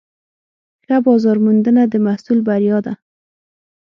ښه بازارموندنه د محصول بریا ده.